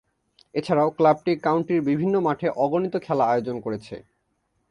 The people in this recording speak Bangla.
এছাড়াও, ক্লাবটি কাউন্টির বিভিন্ন মাঠে অগণিত খেলা আয়োজন করেছে।